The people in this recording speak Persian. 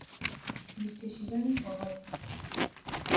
تیر کشیدن پاهایم